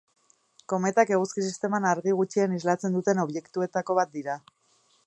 Kometak Eguzki-sisteman argia gutxien islatzen duten objektuetako bat dira.